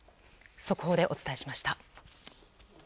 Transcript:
速報でお伝えしました。